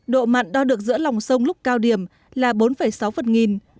độ mặn đo được giữa lòng sông lúc cao điểm là bốn sáu phần nghìn